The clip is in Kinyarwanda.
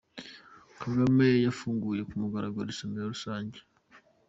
Kagame yafunguye ku mugaragaro isomero rusange